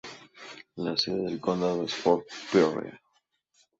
La sede del condado es Fort Pierre.